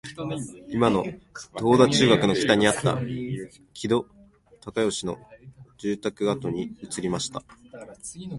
いまの銅駝中学の北にあった木戸孝允の住居跡に移りました